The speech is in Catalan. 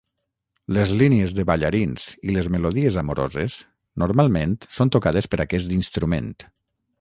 Les línies de ballarins i les melodies amoroses, normalment són tocades per aquest instrument.